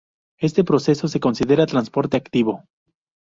Este proceso se considera transporte activo.